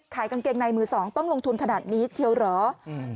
กางเกงในมือสองต้องลงทุนขนาดนี้เชียวเหรออืม